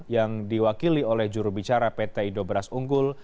yang diwakili oleh jurubicara pt indo beras unggul